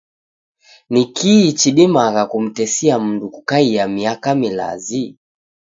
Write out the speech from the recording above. Ni kii chidimagha kumtesia mndu kukaia miaka milazi?